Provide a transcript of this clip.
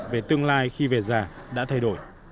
về tương lai khi về già đã thay đổi